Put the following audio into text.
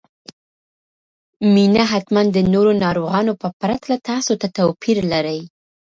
مينه حتماً د نورو ناروغانو په پرتله تاسو ته توپير لري